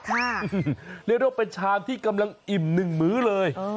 เรียกได้ว่าเป็นชามที่กำลังอิ่มหนึ่งมื้อเลย